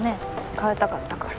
変えたかったから。